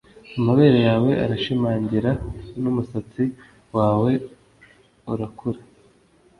Amabere yawe arashimangira n’umusatsi wawe urakura